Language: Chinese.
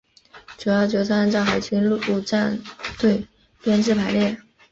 主要角色按照海军陆战队编制排列。